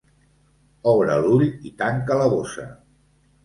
Obre l'ull i tanca la bossa.